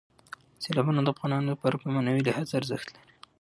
سیلابونه د افغانانو لپاره په معنوي لحاظ ارزښت لري.